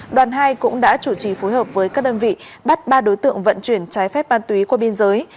đoàn hai cũng đã chủ trì phối hợp với các đơn vị bắt ba đối tượng vận chuyển trái phép ma túy qua biên giới